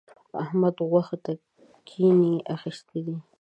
احمد؛ غوښو ته کپڼۍ اخيستی دی.